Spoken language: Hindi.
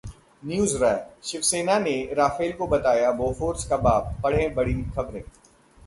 NewsWrap: शिवसेना ने राफेल को बताया 'बोफोर्स का बाप', पढ़ें- बड़ी खबरें